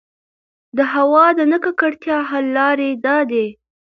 د هـوا د نـه ککـړتيا حـل لـارې دا دي: